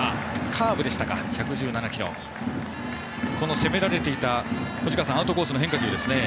攻められていたアウトコースの変化球ですね。